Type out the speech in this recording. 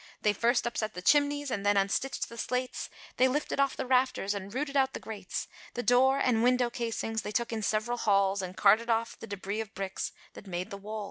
They first upset the chimneys, and then unstitched the slates, They lifted off the rafters, and rooted out the grates; The door, and window casings, they took in several hauls, And carted off, the debris of bricks, that made the walls.